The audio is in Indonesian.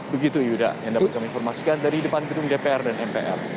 begitu yuda yang dapat kami informasikan dari depan gedung dpr dan mpr